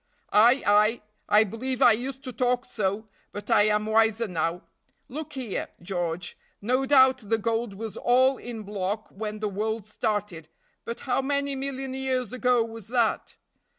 "Ay! ay! I believe I used to talk so; but I am wiser now. Look here, George, no doubt the gold was all in block when the world started, but how many million years ago was that?